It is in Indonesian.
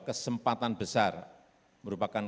kesempatan besar merupakan